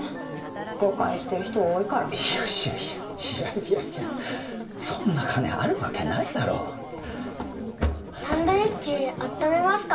誤解してる人多いからいやいやいやいやいやいやそんな金あるわけないだろ「サンドイッチあっためますか？」